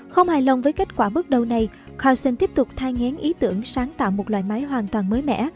không hài lòng với kết quả bước đầu này costion tiếp tục thay ngén ý tưởng sáng tạo một loại máy hoàn toàn mới mẻ